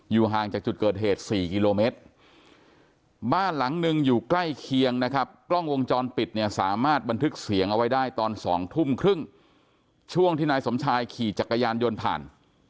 ห่างจากจุดเกิดเหตุ๔กิโลเมตรบ้านหลังหนึ่งอยู่ใกล้เคียงนะครับกล้องวงจรปิดเนี่ยสามารถบันทึกเสียงเอาไว้ได้ตอน๒ทุ่มครึ่งช่วงที่นายสมชายขี่จักรยานยนต์ผ่าน